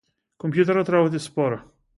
Компјутерот работи споро.